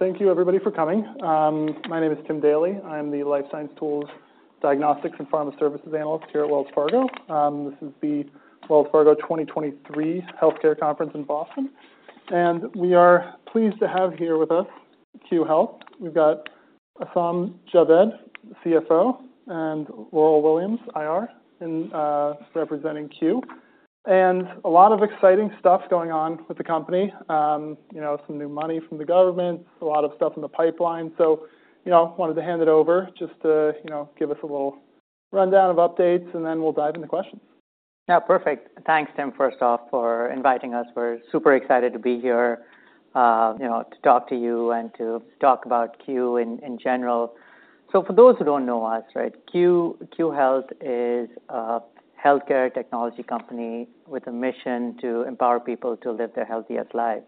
You everybody for coming. My name is Tim Daly. I'm the Life Science Tools Diagnostics and Pharma Services Analyst here at Wells Fargo. This is the Wells Fargo 2023 Healthcare Conference in Boston. And we are pleased to have here with us Q Health. We've got Assam Javed, CFO and Laurel Williams, IR, representing CUE. And a lot of exciting stuff going on with the company, some new money from the government, a lot of stuff in the pipeline. Wanted to hand it over just to give us a little rundown of updates and then we'll dive into questions. Perfect. Thanks, Tim, first off for inviting us. We're super excited to be here to talk to you and to talk about Q in general. So for those who don't know us, right, Q Health is a healthcare technology company with a mission to empower people to live their healthiest lives.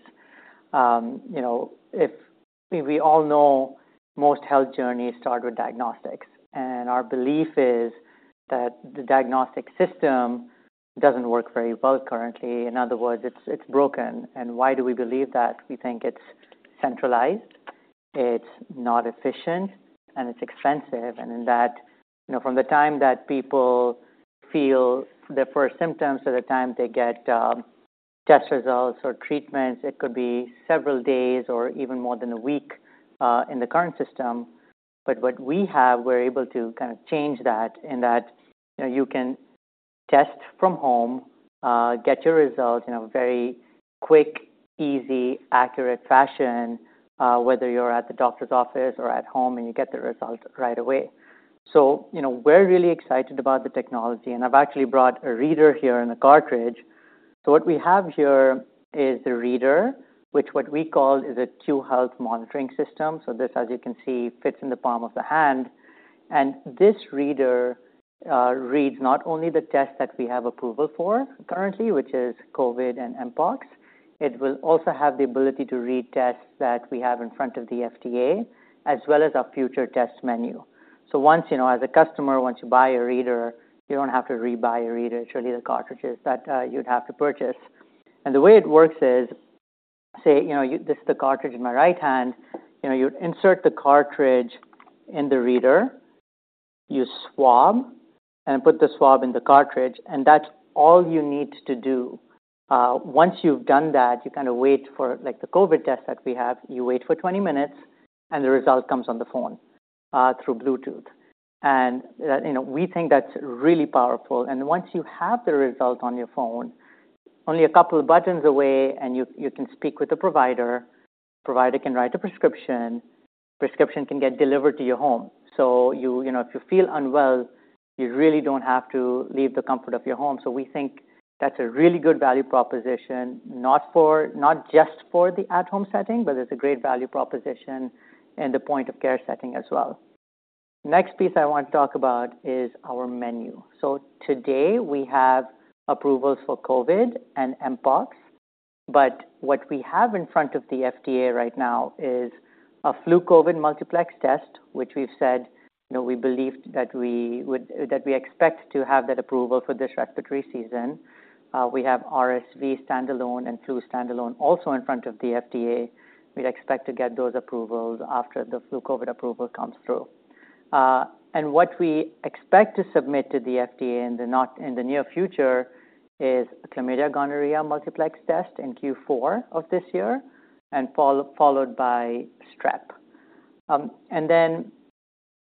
If we all know most health journeys start with diagnostics and our belief is That the diagnostic system doesn't work very well currently. In other words, it's broken. And why do we believe that? We think it's centralized, It's not efficient and it's expensive. And in that from the time that people feel their first symptoms to the time they get test results or treatments. It could be several days or even more than a week in the current system. But what we have, we're able to Change that and that you can test from home, get your results in a very quick, easy, accurate fashion, whether you're at the doctor's office or at home and you get the result right away. So we're really excited about the technology and I've actually brought a reader here in a cartridge. So what we have here Is the reader, which what we call is a Q Health monitoring system. So this as you can see fits in the palm of the hand. And this reader read not only the test that we have approval for currently, which is COVID and MPOX. It will also have the ability to read tests that we have in front of the FDA as well as our future test menu. So once as a customer, once you buy a reader, You don't have to rebuy your reader, it's really the cartridges that you'd have to purchase. And the way it works is, say, this is the cartridge in my right hand, You insert the cartridge in the reader, you swab and put the swab in the cartridge and that's all you need to do. Once you've done that, you kind of wait for like the COVID test that we have, you wait for 20 minutes and the result comes on the phone Through Bluetooth. And we think that's really powerful. And once you have the result on your phone, only a couple of buttons away and you can speak with the provider, provider can write a prescription, prescription can get delivered to your home. So if you feel unwell, you really don't have to leave the comfort of your home. So we think that's a really good value proposition, not just for the at home setting, but it's a great value proposition and the point of care setting as well. Next piece I want to talk about is our menu. So today we have approvals for COVID and mpox. But what we have in front of the FDA right now is flu COVID multiplex test, which we've said, we believed that we would that we expect to have that approval for this respiratory season. We have RSV standalone and flu standalone also in front of the FDA. We'd expect to get those approvals after the flu COVID approval comes through. And what we expect to submit to the FDA in the near future is chlamydogonuria multiplex test in Q4 of this year and followed by Strep. And then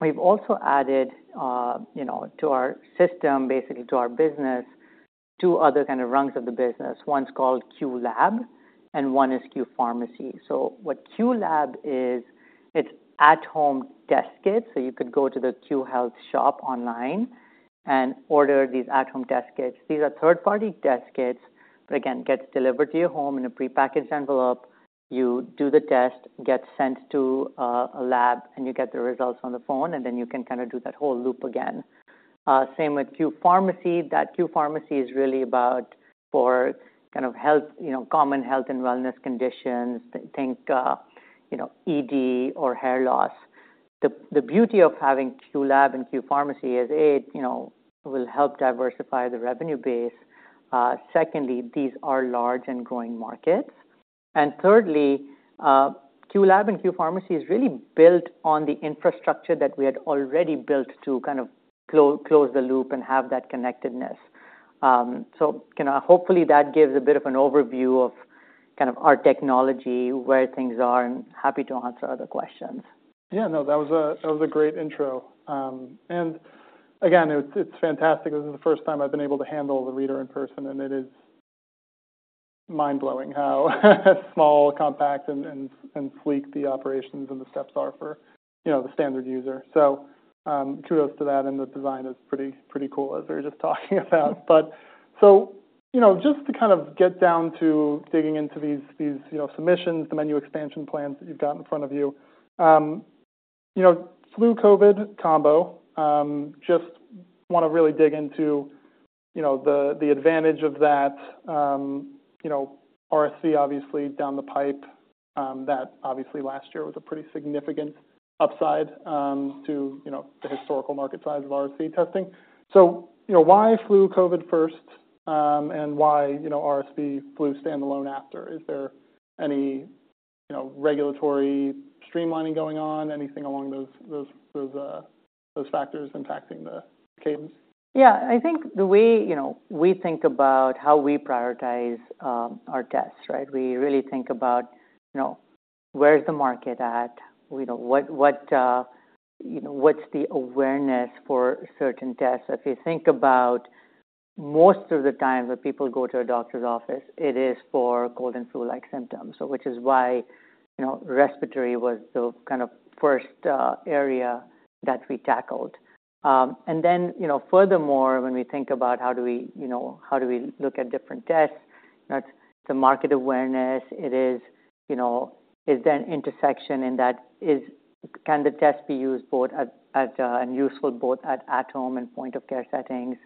we've also added to our system basically to our business 2 other kind of rungs of the business. One is called QLab and one is Q Pharmacy. So what QLab is, it's at home desk kit. So you could go to the Q Health shop online and order these at home desk kits. These are 3rd party desk kits, Again, gets delivered to your home in a prepackaged envelope. You do the test, get sent to a lab and you get the results on the phone and then you can kind of do that whole again. Same with Q Pharmacy, that Q Pharmacy is really about for kind of health, common health and wellness conditions, think ED or hair loss. The beauty of having QLab and Q Pharmacy is, A, it will help diversify the revenue base. Secondly, these are large and growing markets. And thirdly, Qlab and Q Pharmacy is really built On the infrastructure that we had already built to kind of close the loop and have that connectedness. So hopefully that gives a bit of an overview of kind of our technology, where things are and happy to answer other questions. Yes. No, that was a great intro. And again, it's fantastic. This is the first time I've been able to handle the reader in person and it is mind blowing how small, compact and sleek the operations and the steps are for the standard user. So, kudos to that and the design is pretty cool as we're just talking about. But so just to kind of get down to digging into these submissions, the menu expansion plans that you've got in front of flu COVID combo. Just want to really dig into the advantage of that RSV obviously down the pipe that obviously last year was a pretty significant upside to the historical market size of RSV testing. So why flu COVID first and why RSV flu standalone after? Is there any regulatory streamlining going on, anything along those factors impacting the cadence? Yes, I think the way we think about how we prioritize our tests, right. We really think about Where is the market at? What's the awareness for certain tests? If you think about most of the time that people go to a doctor's office, it is for golden flu like symptoms, which is why respiratory was the kind of first area that we tackled. And then furthermore, when we think about how do we look at different tests, that's The market awareness, it is is that intersection in that is can the test be used both And useful both at home and point of care settings.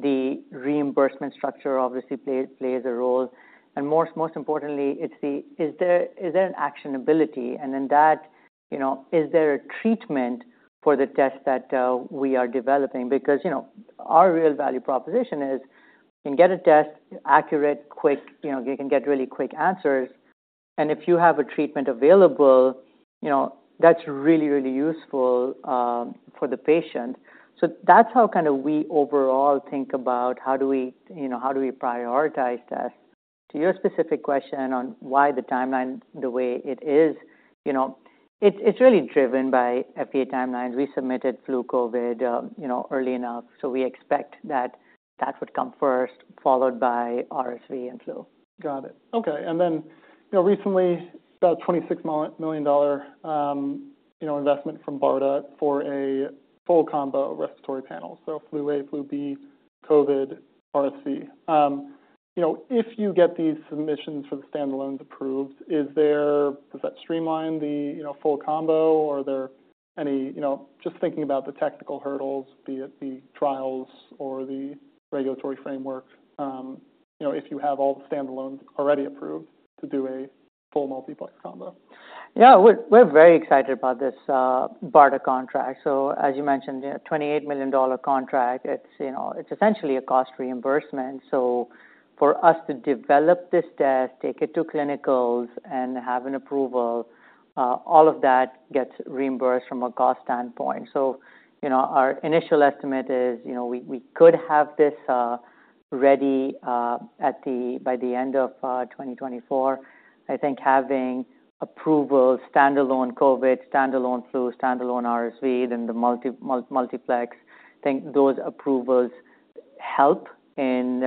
The reimbursement structure obviously plays a role. And most importantly, it's the is there an actionability and then that is there a treatment for the test that we are developing because our real value proposition is, you can get a test accurate, quick, you can get really quick answers. And if you have a treatment available, that's really, really useful for the patient. So that's how kind of we overall think about the How do we prioritize that? To your specific question on why the timeline the way it is, It's really driven by FDA timelines. We submitted flu COVID early enough. So we expect that that would come first Followed by RSV and Flu. Got it. Okay. And then recently about $26,000,000 investment from BARDA for a full combo of respiratory panels. So, FLU AVE, flu B, COVID, RSV. If you get these submissions for the standalones approved, is there does that streamline the full combo or are there any just thinking about the technical hurdles, be it the trials or the regulatory framework, if you have all stand alone already approved to do a full multiplex combo. Yes. We're very excited about this BARDA contract. So as you mentioned, dollars 28,000,000 contract, It's essentially a cost reimbursement. So for us to develop this test, take it to clinicals and have an approval, all of that gets reimbursed from a cost standpoint. So our initial estimate is we could have this ready at the by the end of 2024. I think having approval, standalone COVID, standalone flu, standalone RSV, the and the multiplex. I think those approvals help in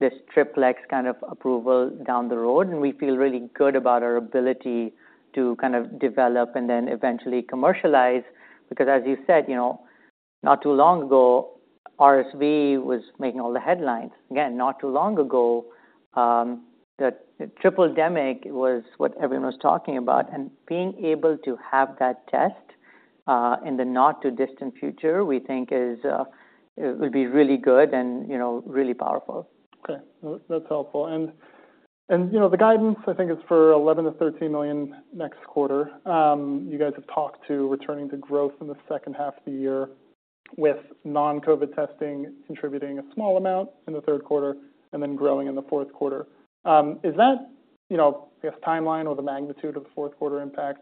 This triplex kind of approval down the road and we feel really good about our ability to kind of develop and then eventually commercialize Because as you said, not too long ago RSV was making all the headlines. Again, not too long ago, the triple demic was what everyone was talking about and being able to have that test in the not too distant future, we think is it will be really good and really powerful. Okay. That's helpful. And the guidance, I think, is for $11,000,000 to $13,000,000 next quarter. You guys have talked to returning to growth in the second half of the year with non COVID testing contributing a small amount in the Q3 and then growing in the Q4. Is that timeline or the magnitude of the 4th quarter impact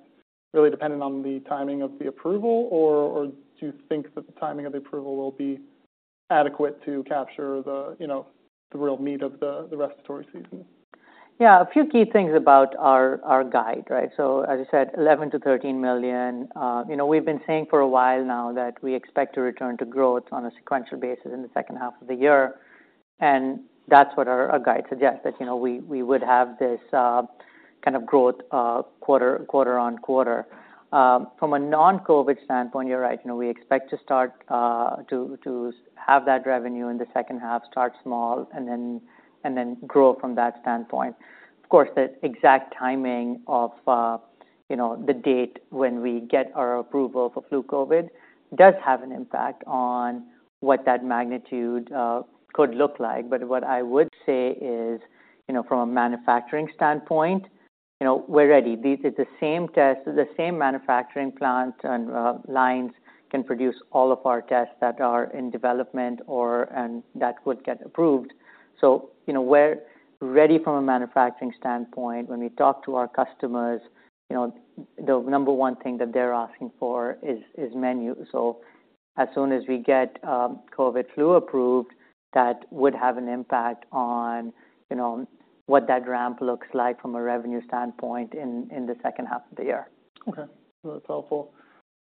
really dependent on the timing of the approval or do you think that the timing of the approval will be adequate to capture the real meat of the respiratory season. Yes. A few key things about our guide, right. So as you said, dollars 11,000,000 to $13,000,000 We've been saying for a while now that we expect to return to growth on a sequential basis in the second half of the year. And that's what our guide suggests that we would have this kind of growth quarter on quarter. From a non COVID standpoint, you're right. We expect to start to have that revenue in the second half, start small And then grow from that standpoint. Of course, the exact timing of the date when we get our approval for flu COVID does have an impact on what that magnitude could look like. But what I would say is, from a manufacturing standpoint, We're ready. These are the same test, the same manufacturing plant and lines can produce all of our tests that are in development or and that what gets approved. So we're ready from a manufacturing standpoint. When we talk to our customers, The number one thing that they're asking for is menu. So as soon as we get COVID flu approved, That would have an impact on what that ramp looks like from a revenue standpoint in the second half of the year. Okay. That's helpful.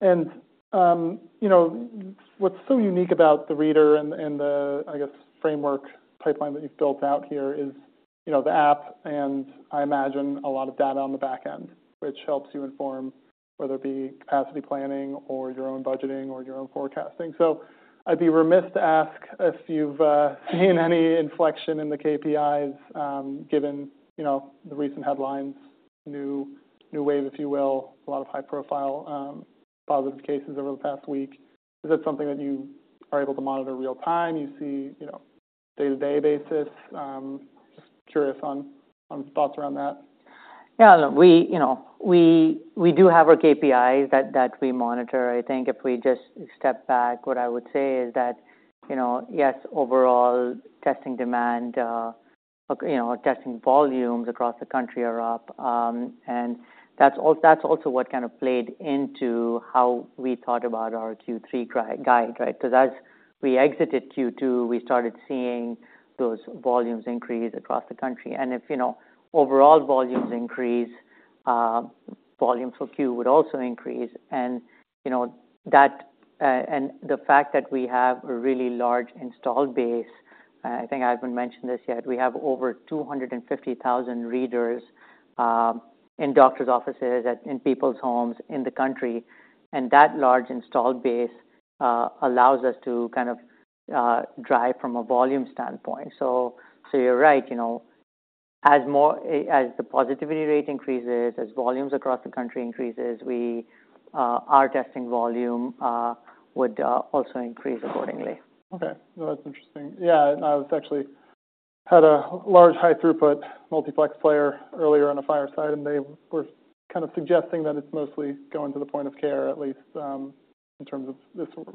And what's so unique about the reader and the, I guess, framework pipeline that you've built out here is the app and I imagine a lot of data on the back end, which helps you inform whether it be capacity planning or your own budgeting or your own forecasting. So I'd be remiss to ask if you've seen any inflection in the KPIs given the recent headlines, new wave, if you will, a lot of high profile positive cases over the past week. Is that something that you are able to monitor real time? You see day to day basis. Just curious on thoughts around that. Yes. We do have our KPIs that we monitor. I think if we just step back, what I would say is that, yes, overall testing demand Okay. Our testing volumes across the country are up. And that's also what kind of played into how We thought about our Q3 guide, right. So that's we exited Q2. We started seeing those volumes increase across the country. And if you know, overall volumes increase, volume for Q would also increase. And that And the fact that we have a really large installed base, I think I haven't mentioned this yet, we have over 250,000 readers in doctors' offices, in people's homes in the country. And that large installed base allows us to kind of drive from a volume standpoint. So you're right, as more as the positivity rate increases, as volumes across the country increases, we Our testing volume would also increase accordingly. Okay. No, that's interesting. Yes, and I was actually had a large high throughput multiplex player earlier on a fireside and they were kind of suggesting that it's mostly going to the point of care at least in terms of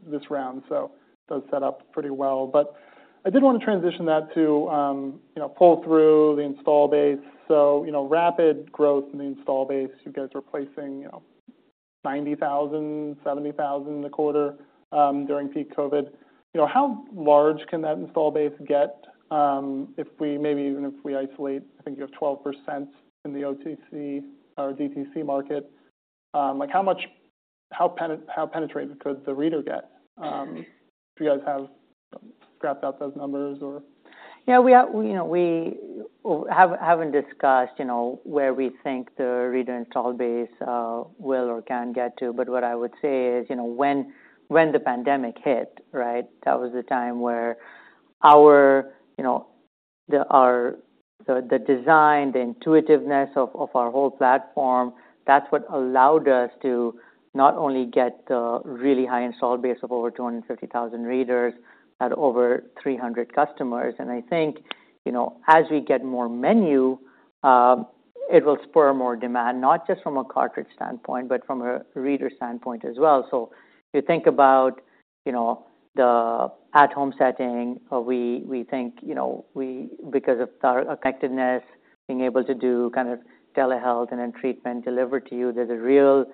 this round. So it does set up pretty well. But I did want to transition that to pull through the installed base. So rapid growth in the installed base you guys are placing 90,000, 70,000 in the quarter during peak COVID. How large can that installed base get if we maybe even if we isolate, I think you have 12% in the OTC or DTC market. Like how much how penetrated could the reader get? Do you guys have scraped out those numbers or? Yes, we haven't discussed where we think the reader installed base will or can get to. But what I would say is when the pandemic hit, right? That was the time where our the design, the intuitiveness Our whole platform, that's what allowed us to not only get really high installed base of over 250,000 readers had over 300 customers. And I think as we get more menu, it will spur more demand, not just from a cartridge standpoint, but from a reader standpoint as well. So if you think about the at home setting, we think we because of our connectedness, being able to do kind of telehealth and then treatment delivered to you. There's a real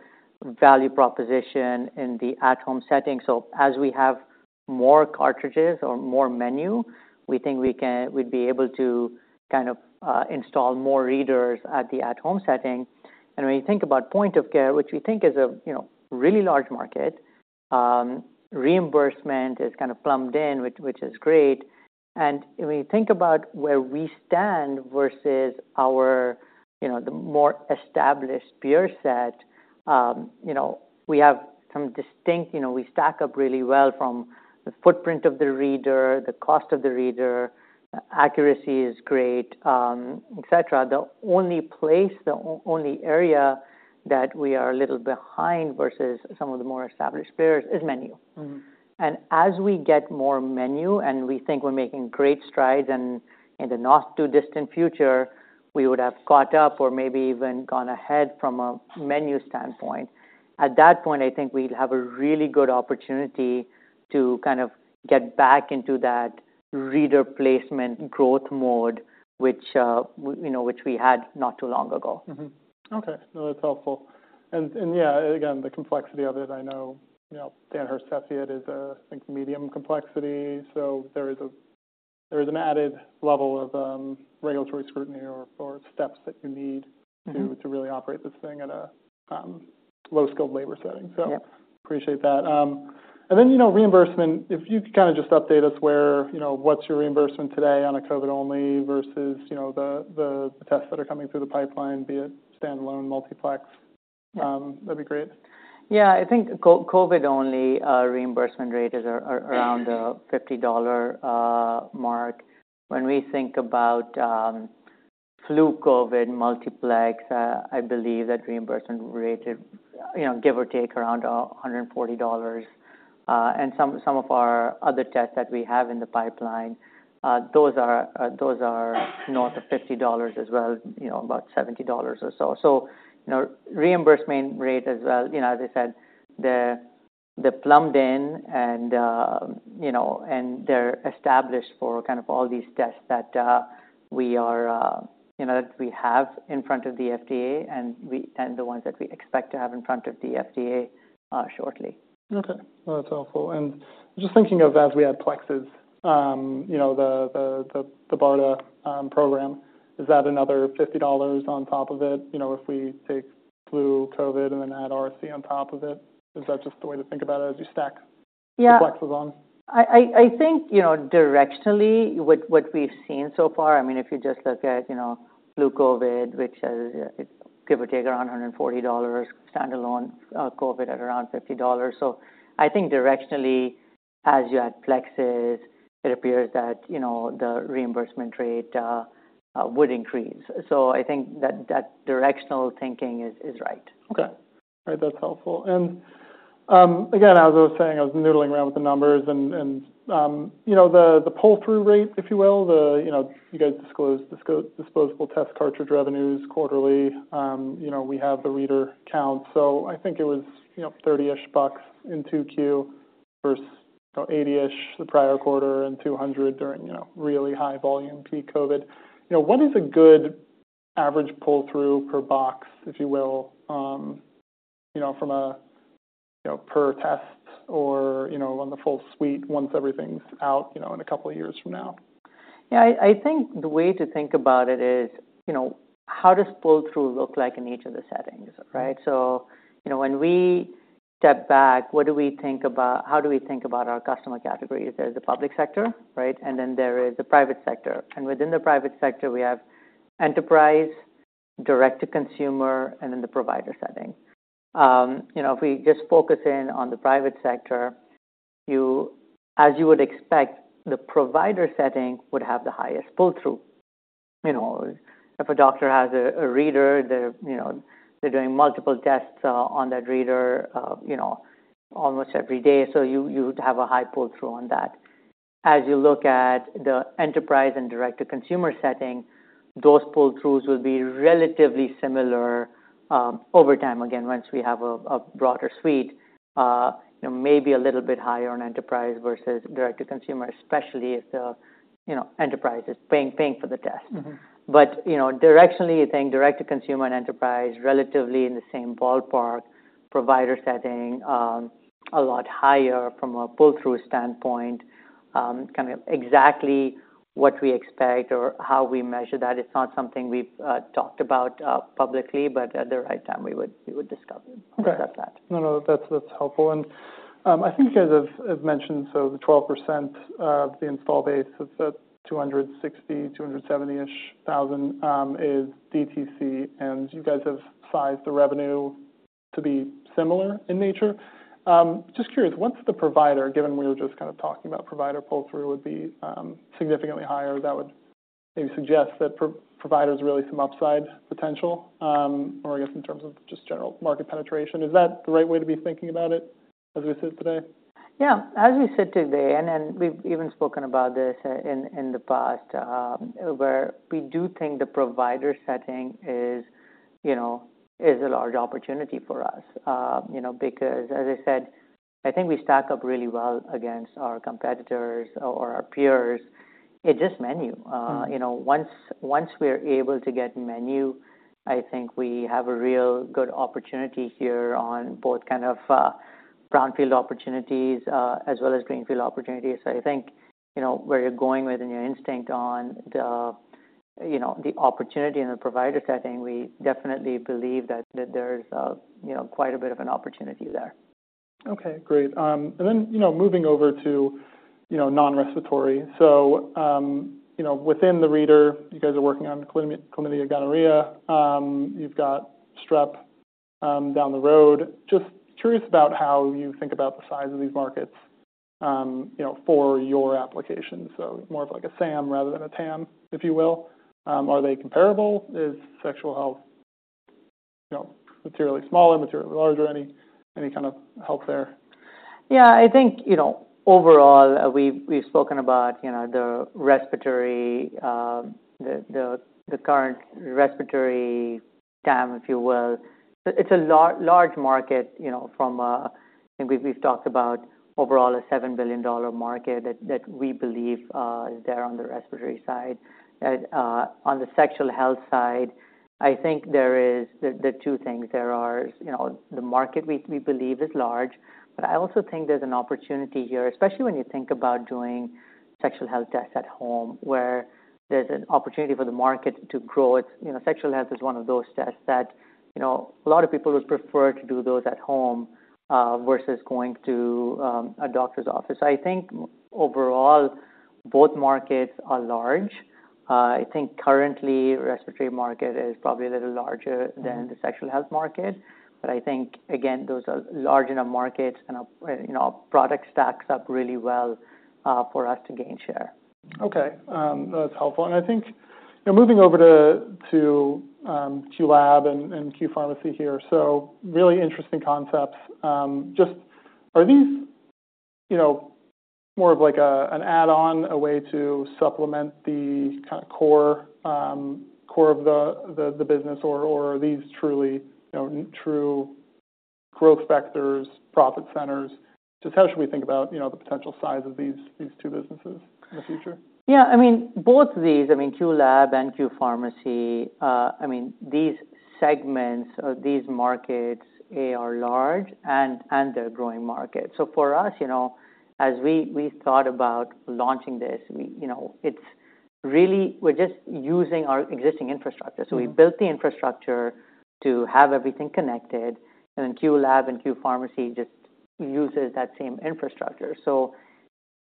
value proposition in the at home setting. So as we have more cartridges or more menu. We think we'd be able to kind of install more readers at the at home setting. And when you think about point of care, which we think is a really large market, reimbursement is kind of plumbed in, which is great. And when you think about where we stand versus our the more established peer set, we have some distinct we stack up really well from the footprint of the reader, the cost of the reader, Accuracy is great, etcetera. The only place, the only area that we are a little behind versus more established players is menu. And as we get more menu and we think we're making great strides in the not too distant future, We would have caught up or maybe even gone ahead from a menu standpoint. At that point, I think we'll have a really good opportunity to kind of Get back into that reader placement growth mode, which we had not too long ago. Okay. No, that's helpful. And yes, again, the complexity of it, I know Dan Hirsch is a medium complexity. So there there is an added level of regulatory scrutiny or steps that you need to really operate this thing at a low skilled labor setting. So appreciate that. And then reimbursement, if you could kind of just update us where what's your reimbursement today on a COVID only versus the tests that are coming through the pipeline, be it standalone multiplex, that'd be great. Yes, I think COVID the Our reimbursement rate is around $50 mark. When we think about flu COVID multiplex. I believe that reimbursement rate is give or take around $140 and some of our other tests that we have in the pipeline, those are north of $50 as well, about $70 or so. So reimbursement rate as well, as I said, they're plumbed in and they're established for kind of all these tests that we are that we have in front of the FDA and the ones that we Back to have in front of the FDA shortly. Okay. That's helpful. And just thinking of as we add plexus, BARDA program. Is that another $50 on top of it if we take flu, COVID and then add RC on top of it? That just the way to think about it as you stack Flexos on? Yes. I think directionally, what we've seen so far, I mean, if you just look at flu COVID, which give or take around $140 standalone COVID at around $50 So I think directionally As you had plexus, it appears that the reimbursement rate would increase. So I think that directional thinking is right. Okay. All right. That's helpful. And again, as I was saying, I was noodling around with the numbers and the pull through rate, if you will, you guys disposable test cartridge revenues quarterly. We have the reader count. So I think it was $30 ish in 2Q first 80 ish the prior quarter and 200 during really high volume peak COVID. What is a good average pull through per box, if you will, from a per test or on the full suite once everything is out in a couple of years from now. Yes. I think the way to think about it is, how does pull through look like in each of the settings, right. So when we step back, what do we think about how do we think about our customer categories? There's the public sector, right? And then there is the private sector. Within the private sector, we have enterprise, direct to consumer and then the provider setting. If we just focus in on the private sector, As you would expect, the provider setting would have the highest pull through. If a doctor has a reader, they're doing multiple tests on that reader almost every day. So you would have a high pull through on that. As you look at the enterprise and direct to consumer setting, those pull throughs will be relatively similar over time, again, once we have a broader suite, maybe a little bit higher on enterprise versus direct to consumer, especially if the enterprise that's paying for the test. But directionally, you think direct to consumer and enterprise relatively in the same ballpark, provider setting a lot higher from a pull through standpoint, kind of exactly What we expect or how we measure that. It's not something we've talked about publicly, but at the right time we would discuss it. Okay. No, no, that's helpful. And I think you guys have mentioned, so the 12% of the installed base, it's at 260,000, 270 ish 1,000 is DTC and you guys have sized the revenue to be similar in nature. Just curious, once the provider given we were just kind of talking about provider pull through would be significantly higher, that would maybe suggest that provider is really some upside potential, or I guess in terms of just general market penetration. Is that the right way to be thinking about it as we sit today? Yes. As we sit today and we've even spoken about this in the past, where we do think the provider setting is a large opportunity for us, because as I said, I think we stack up really well against our competitors or our peers. It's just menu. Once we are able to get menu, I think we have a real good opportunity here on both kind of brownfield opportunities as well as greenfield opportunities. So I think where you're going within your instinct the opportunity in the provider setting. We definitely believe that there is quite a bit of an opportunity there. Okay, great. And then moving over to non respiratory. So within the reader, you guys are working on chlamydia, gonorrhea, you've got strep down the road. Just curious about how you think about the size of these markets for your application. So more of like a SAM rather than a TAM, if you will. Are they comparable? Is sexual health materially smaller, materially larger, any kind of help there? Yes, I think overall, we've spoken about the respiratory, the current respiratory TAM, if you will. It's a large market from the We've talked about overall a $7,000,000,000 market that we believe there on the respiratory side. On the sexual health side, I think there is the 2 things. There are the market we believe is large, but I also think there's an opportunity here, especially when you think about doing sexual health test at home where there's an opportunity for the market to grow. Sexual health is one of those tests that a lot of people would prefer to do those at home versus going to a doctor's office. I think overall both markets are large. I think currently respiratory market is probably a little larger than the sexual health market. But I think again those are large enough markets and our product stacks up really well for us to gain share. Okay. That's helpful. And I think moving over to QLab and QPharmacy here. So really interesting concepts. Just are these more of like an add on, a way to supplement the kind of core of the business or are these truly true growth factors, profit centers. Just how should we think about the potential size of these two businesses the future? Yes. I mean both of these, I mean Q Lab and Q Pharmacy, I mean these segments or these markets, AR large and the growing market. So for us, as we thought about launching this, it's really we're just using our existing infrastructure. So we built the infrastructure to have everything connected and Q Lab and Q Pharmacy just uses that same infrastructure. So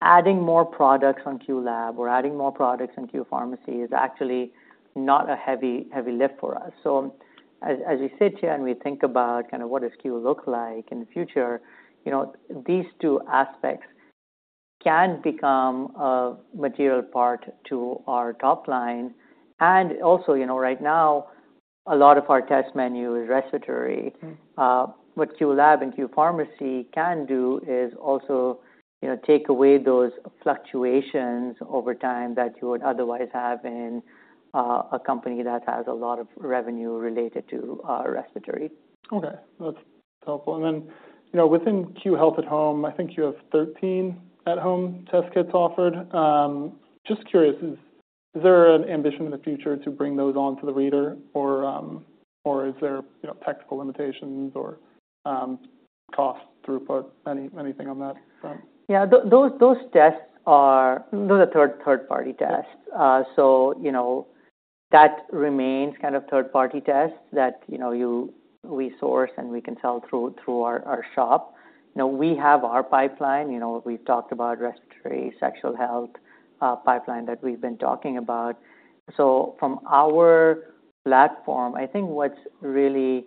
adding more products on QLab or adding more products in Q Pharmacy is actually not a heavy lift for us. So as we sit here and we think about kind of what SKU look like in the future, these two aspects Can become a material part to our top line. And also right now, a lot of our test menu is respiratory. What QLab and QPharmacy can do is also Take away those fluctuations over time that you would otherwise have in a company that has a lot of revenue related to respiratory. Okay, that's helpful. And then within Q Health at Home, I think you have 13 at home test kits offered. Just curious, is there an ambition in the future to bring those on to the reader or is there technical limitations or cost throughput, anything on that front? Yes. Those tests are those are 3rd party tests. So That remains kind of 3rd party test that you resource and we can sell through our shop. No, we have our pipeline. We've talked about respiratory, sexual health pipeline that we've been talking about. So from our platform, I think what's really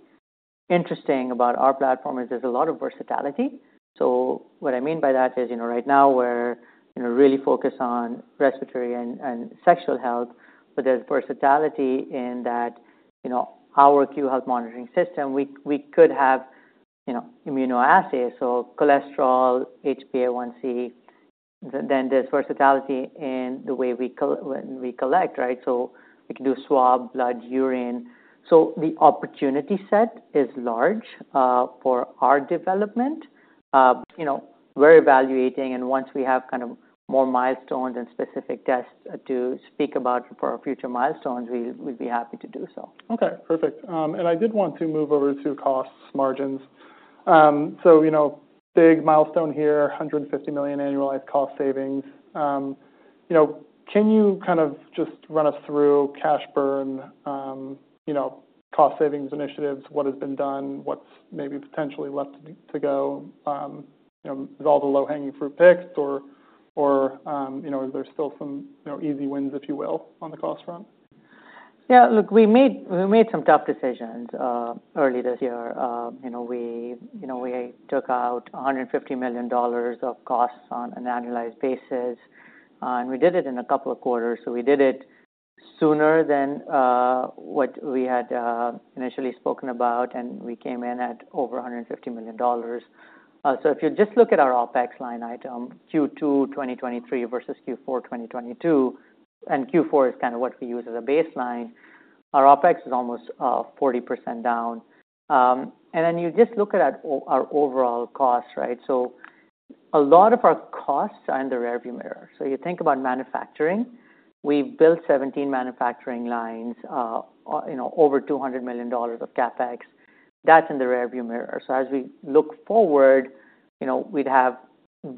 interesting about our platform is there's a lot of versatility. So what I mean by that is, right now we're really focused on respiratory and sexual health, but there's versatility in that our Q health monitoring system. We could have immunoassays, so cholesterol, HbA1c, Then there's versatility and the way we collect, right. So we can do swab, blood, urine. So the opportunity set is large for our development. We're evaluating and once we have kind of more milestones and specific tests To speak about for our future milestones, we'd be happy to do so. Okay. Perfect. And I did want to move over to cost margins. So big milestone here, dollars 150,000,000 annualized cost savings. Can you kind of just run us through cash burn, cost savings initiatives, what has been done, what's maybe potentially left to go, is all the low hanging fruit picked or is there still some easy wins, if you will, on the cost front? Yes. Look, we made some tough decisions early this year. We took out $150,000,000 of costs on an annualized basis And we did it in a couple of quarters. So we did it sooner than what we had initially spoken about and we came in at over $150,000,000 So if you just look at our OpEx line item, Q22223 versus Q4 2022 and Q4 is kind of what we use as a baseline. Our OpEx is almost 40% down. And then you just look at our overall costs, right. So a lot of our costs are in the rearview mirror. So you think about manufacturing, we've built 17 manufacturing lines over $200,000,000 of CapEx. That's in the rearview mirror. So as we look forward, we'd have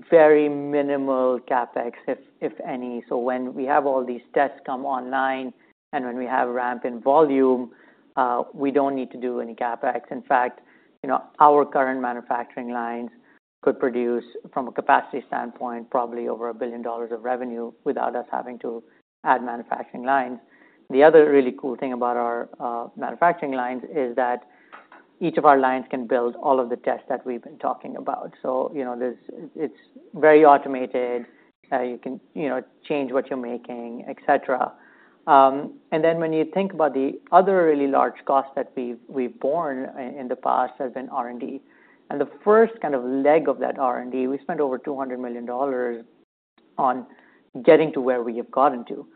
very minimal CapEx, if any. So when we have all these tests come online and when we have ramp in volume, We don't need to do any CapEx. In fact, our current manufacturing lines could produce from a capacity standpoint probably over $1,000,000,000 of revenue without us having to add manufacturing lines. The other really cool thing about our manufacturing lines is that each of our lines can build all of the tests that we've been talking about. So it's very automated. You can Change what you're making, etcetera. And then when you think about the other really large cost that we've borne in the past has been R and D. And the first kind of leg of that R and D, we spent over $200,000,000 on getting to where we have gotten to.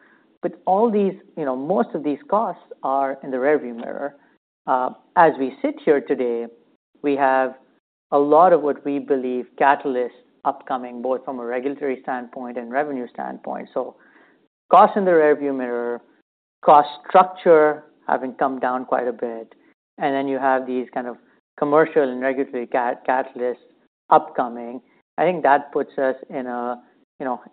But all these most of these costs are in the rearview mirror. As we sit here today, we have a lot of what we believe catalyst upcoming both from a regulatory standpoint and revenue standpoint. So cost in the rearview mirror, cost structure having come down quite a bit. And then you have these kind of commercial and regulatory catalyst upcoming. I think that puts us in a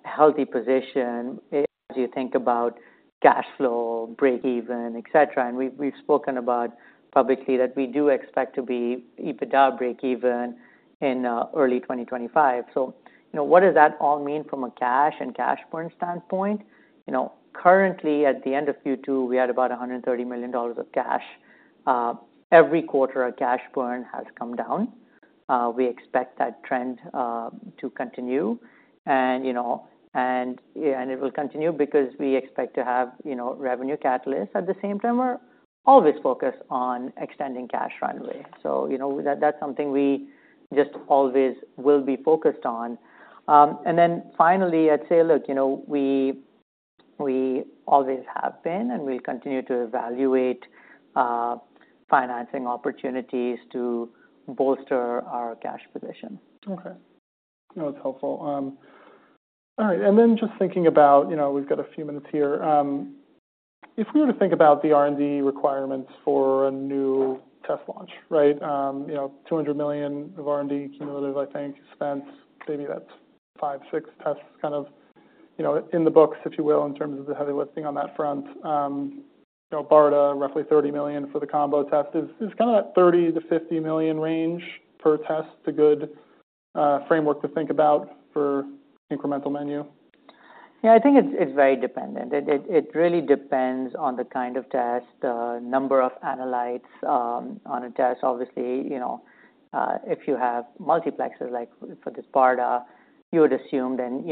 healthy position as you think about cash flow, breakeven, etcetera. And we've spoken about publicly that we do expect to be EBITDA breakeven in early 2025. What does that all mean from a cash and cash burn standpoint? Currently at the end of Q2, we had about $130,000,000 of cash. Every quarter our cash burn has come down. We expect that trend to continue And it will continue because we expect to have revenue catalyst. At the same time, we're always focused on extending cash runway. So that's something we just always will be focused on. And then finally, I'd say, look, We always have been and we continue to evaluate financing opportunities to bolster our cash position. Okay. That's helpful. All right. And then just thinking about we've got a few minutes here. If we were to think about the R and D requirements for a new test launch, right, dollars 200,000,000 of R and D cumulative, I think, spends maybe that's 5, 6 tests kind of in the books, if you will, in terms of the heavy lifting on that front. BARDA roughly $30,000,000 for the combo test kind of $30,000,000 to $50,000,000 range per test, a good framework to think about for incremental menu. Yes, I think it's very dependent. It really depends on the kind of test, the number of analytes on a test. Obviously, if you have multiplexers like for this BARDA, you would assume then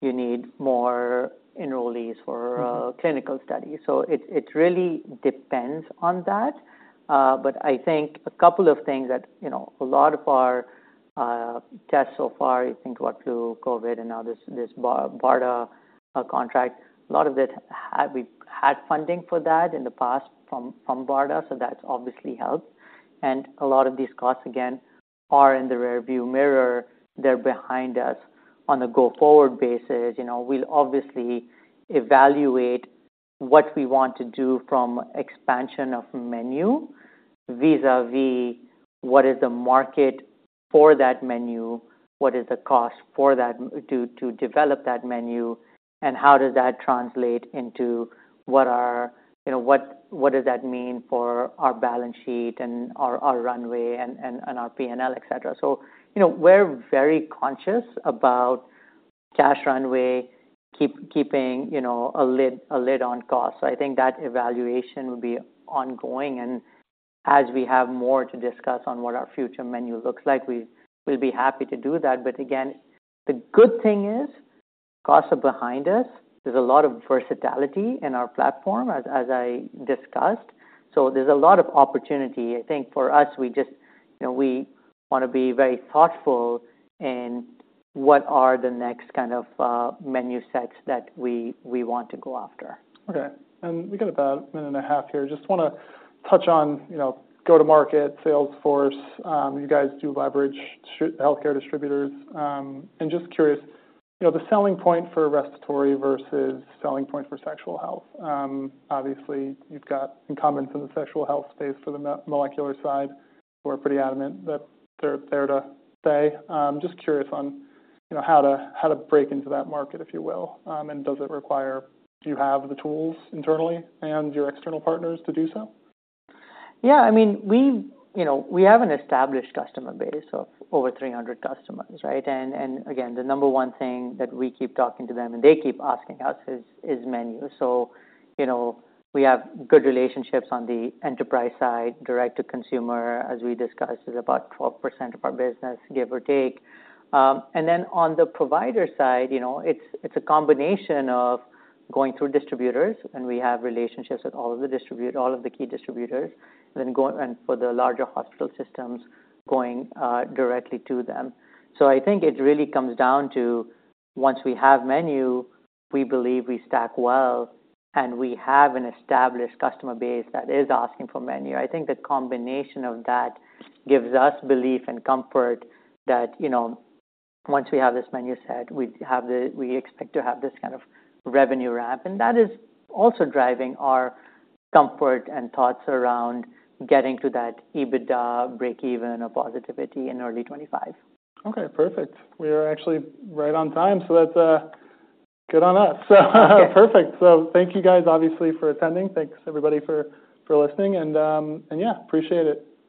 you need more enrollees for clinical studies. So it really depends on that. But I think a couple of things that a lot of our test so far. You think about flu, COVID and now this BARDA contract, a lot of it had we had funding for that in the past from BARDA, so that's obviously helped. And a lot of these costs again are in the rearview mirror. They're behind us on a go forward basis, we'll obviously evaluate what we want to do from expansion of menu vis a vis what is the market for that menu, what is the cost for that to develop that menu And how does that translate into what are what does that mean for our balance sheet and our runway and our P and L, etcetera. We're very conscious about cash runway keeping a lid on cost. So I think that evaluation will be ongoing and as we have more to discuss on what our future menu looks like, we will be happy to do that. But again, the good thing is cost behind us. There's a lot of versatility in our platform as I discussed. So there's a lot of opportunity. I think for us, we just We want to be very thoughtful in what are the next kind of menu sets that we want to go after. Okay, and we got about 1.5 minute here. Just want to touch on go to market sales force. You guys do leverage healthcare distributors. And just curious, the selling point for respiratory versus selling point for sexual health, obviously you've got incumbents in the sexual health space for the molecular side. We're pretty adamant that they're there to say. Just curious how to break into that market, if you will, and does it require do you have the tools internally and your external partners to do so? Yes, I mean, we have an established customer base of over 300 customers, right. And again, the number one thing that we keep talking to them and they keep Yes, it's menu. So we have good relationships on the enterprise side, direct to consumer, as we discussed, is about 4% of our business give or take. And then on the provider side, it's a combination of going through distributors and we have relationships with all of the distributor, all of the key distributors and for the larger hospital systems going directly to them. So I think it really comes down to once we have menu, we believe we stack well And we have an established customer base that is asking for menu. I think the combination of that gives us belief and comfort that Once we have this menu set, we have the we expect to have this kind of revenue ramp and that is also driving our comfort and thoughts around getting to that EBITDA breakeven of positivity in early 2025. Okay, perfect. We are actually right on time. So that's good on us. Perfect. So thank you guys obviously for attending. Thanks everybody for listening. And yes, appreciate it.